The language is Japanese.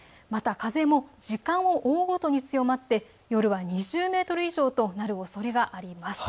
風も時間を追うごとに強まって夜は２０メートル以上となるおそれがあります。